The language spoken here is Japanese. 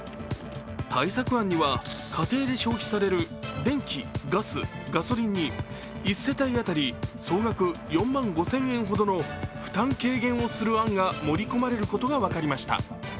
対策案には家庭で消費される電気、ガス、ガソリンに１世帯当たり総額４万５０００円ほどの負担軽減をする案が盛り込まれることが分かりました。